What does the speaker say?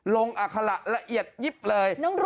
อัคละละเอียดยิบเลย